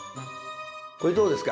これどうですか？